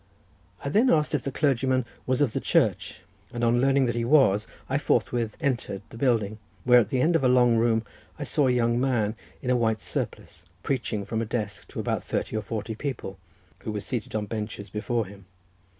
I then asked if the clergyman was of the Church, and on learning that he was, I forthwith entered the building, where in one end of a long room I saw a young man in a white surplice preaching from a desk to about thirty or forty people, who were seated on benches before him.